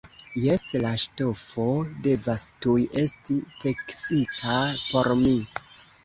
Jes, la ŝtofo devas tuj esti teksita por mi!